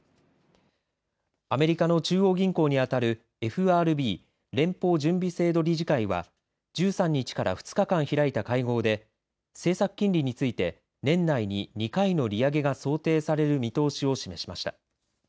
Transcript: アメリカの中央銀行に当たるＦＲＢ、連邦準備制度理事会が１３日から２日間開いた会合で政策金利について年内に２回の利上げが想定される見通しを示しました。